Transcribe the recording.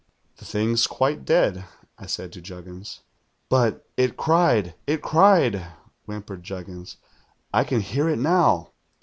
'"'The thing's quite dead,' I said to Juggins. "'But it cried — it cried!" whimpered Juggins. ' I can hear it now.